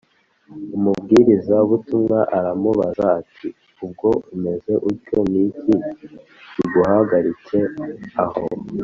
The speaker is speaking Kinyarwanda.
Umubwirizabutumwa aramubaza ati: “ubwo umeze utyo, ni iki kiguhagaritse aho?